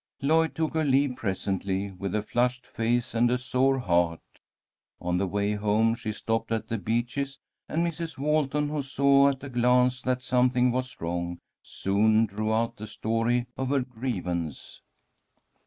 Lloyd took her leave presently, with a flushed face and a sore heart. On the way home she stopped at The Beeches, and Mrs. Walton, who saw at a glance that something was wrong, soon drew out the story of her grievance.